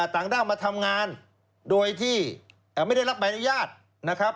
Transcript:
ต่างด้าวมาทำงานโดยที่ไม่ได้รับใบอนุญาตนะครับ